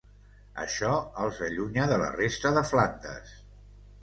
Això els allunya de la resta de Flandes.